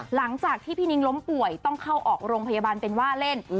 หลังจากที่พี่นิ้งล้มป่วยต้องเข้าออกโรงพยาบาลเป็นว่าเล่น